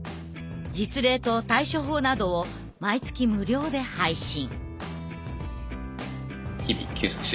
実例と対処法などを毎月無料で配信。